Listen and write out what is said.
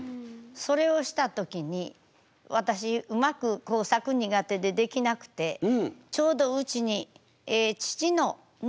それをした時に私うまく工作苦手でできなくてちょうどうちに父の能楽のほうの内弟子さんがいはった。